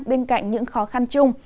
bên cạnh những khó khăn chung